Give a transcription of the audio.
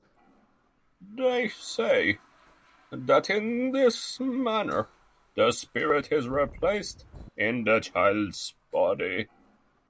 They say that in this manner the spirit is replaced in the child's body.